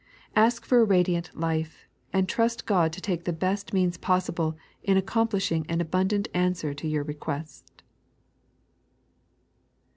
Ask for a radiant life, and trust Qod to take the best means possible in accomplishing an abundant answer to your request.